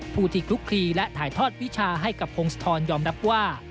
ผู้ที่คลุกคลีและถ่ายทอดวิชาให้กับพงศธรยอมรับว่า